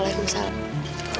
kehidupan pewarna lagi apa